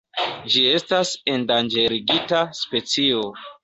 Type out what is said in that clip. Ĝi estas endanĝerigita specio.